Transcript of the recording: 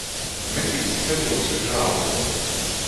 Metīs ceļūs i žāloj